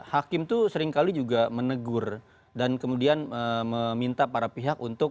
hakim itu seringkali juga menegur dan kemudian meminta para pihak untuk